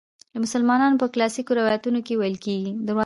د مسلمانانو په کلاسیکو روایتونو کې ویل کیږي.